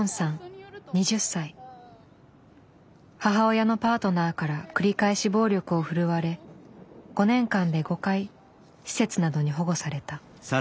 母親のパートナーから繰り返し暴力を振るわれ５年間で５回施設などに保護された。